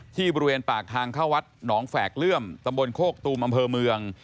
ที่บริเวณปากทางเข้าวัดหนองแฝกเลื่อมตำบลโคกตูมอำเภอเมือง